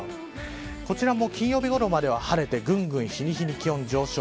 こちらも金曜日ごろまでは晴れてぐんぐん日に日に気温が上昇。